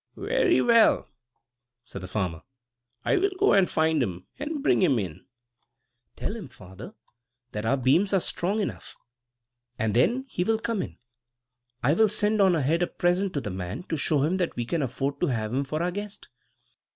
"Very well," said the farmer; "I will go and find him, and bring him in." "Tell him, father, that our beams are strong enough, and then he will come in. I'll send on ahead a present to the man, to show him that we can afford to have him for our guest."